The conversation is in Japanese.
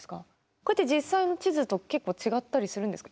これって実際の地図と結構違ったりするんですか？